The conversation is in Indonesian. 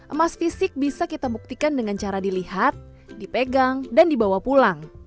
emas fisik bisa kita buktikan dengan cara dilihat dipegang dan dibawa pulang